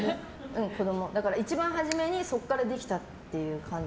一番初めにそこからできたっていう感じ？